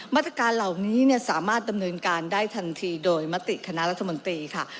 มาตรการเหล่านี้สามารถดำเนินการได้ทันทีโดยมติคณะรัฐมนตรีค่ะ